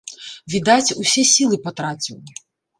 Відаць, усе сілы патраціў.